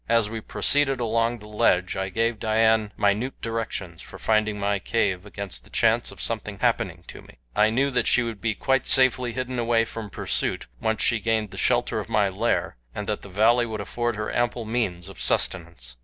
As we proceeded along the ledge I gave Dian minute directions for finding my cave against the chance of something happening to me. I knew that she would be quite safely hidden away from pursuit once she gained the shelter of my lair, and the valley would afford her ample means of sustenance.